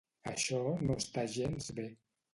Això no està gens bé.